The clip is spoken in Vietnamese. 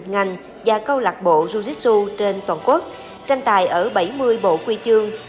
ngành và câu lạc bộ jiu jitsu trên toàn quốc tranh tài ở bảy mươi bộ huy trường